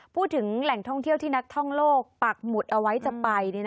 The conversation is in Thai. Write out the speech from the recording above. พูดถึงแหล่งท่องเที่ยวที่นักท่องโลกปักหมุดเอาไว้จะไป